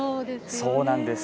そうなんです。